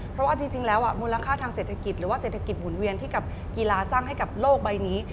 เพราะว่าจริงแล้วมูลค่าทางเศรษฐกิจหรือว่าเศรษฐกิจหมุนเวียนที่กับกีฬาสร้างให้กับโลกใบนี้